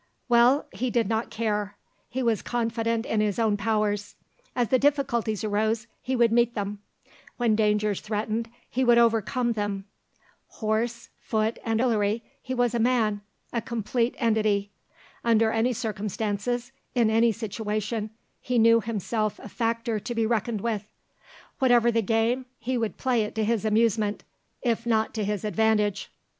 Well, he did not care; he was confident in his own powers. As the difficulties arose, he would meet them; when dangers threatened he would overcome them. Horse, foot, and artillery, he was a man, a complete entity. Under any circumstances, in any situation he knew himself a factor to be reckoned with; whatever the game, he would play it to his amusement, if not to his advantage.